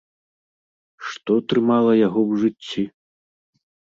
Што трымала яго ў жыцці?